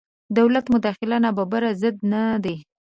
دولت مداخله نابرابرۍ ضد نه دی.